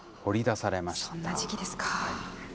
そんな時期ですか。